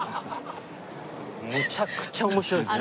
むちゃくちゃ面白いですね。